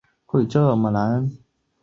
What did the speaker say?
婚后一年生了个女婴